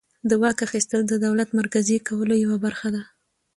د واک اخیستل د دولت مرکزي کولو یوه برخه وه.